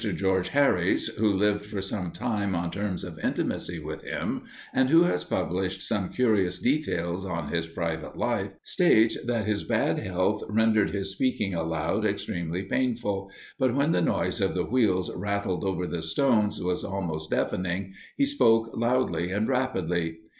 George Harrys, who lived for some time on terms of intimacy with him, and who has published some curious details on his private life,[O] states that his bad health rendered his speaking aloud extremely painful, but when the noise of the wheels rattling over the stones was almost deafening, he spoke loudly and rapidly.